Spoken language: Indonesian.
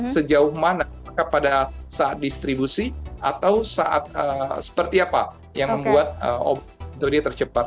sejauh mana apakah pada saat distribusi atau saat seperti apa yang membuat dodi tercepat